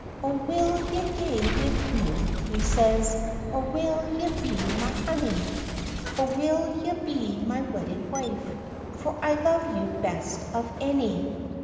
"O will ye gae wi' me," he says, "Or will ye be my honey? Or will ye be my wedded wife? For I love you best of any."